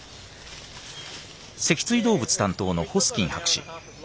脊椎動物担当のホスキン博士。